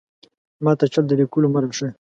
ماته چل د ليکلو مۀ راښايه!